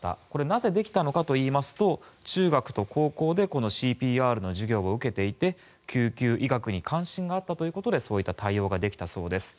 なぜできたのかといいますと中学と高校でＣＰＲの授業を受けていて救急医学に関心があったということでそういった対応ができたそうです。